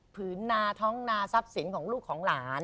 ถ้องนาท้องน้าซับสิงของลูกของหลาน